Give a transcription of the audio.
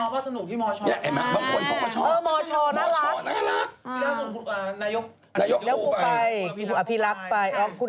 ไปรับน้องแบบไหนบ้าง